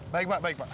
baik pak baik pak